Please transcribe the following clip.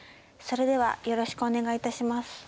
それではよろしくお願い致します。